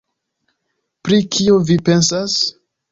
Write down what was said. Pri kio vi pensas?